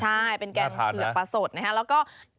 ใช่เป็นแกงเผือกปลาสดนะฮะน่าทานนะฮะ